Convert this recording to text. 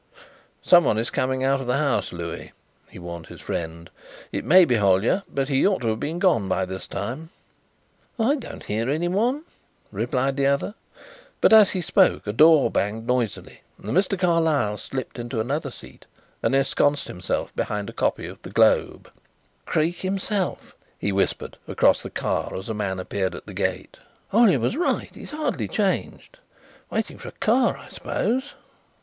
"Someone is coming out of the house, Louis," he warned his friend. "It may be Hollyer, but he ought to have gone by this time." "I don't hear anyone," replied the other, but as he spoke a door banged noisily and Mr. Carlyle slipped into another seat and ensconced himself behind a copy of The Globe. "Creake himself," he whispered across the car, as a man appeared at the gate. "Hollyer was right; he is hardly changed. Waiting for a car, I suppose."